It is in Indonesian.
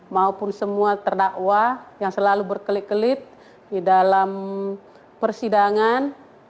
maupun semua terdakwa yang selalu berkelit kelit di dalam persidangan